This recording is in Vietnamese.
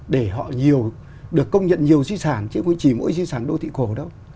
để họ nhiều được công nhận nhiều di sản chứ không chỉ mỗi di sản đô thị cổ đâu